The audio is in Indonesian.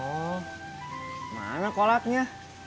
oh mana kolaknya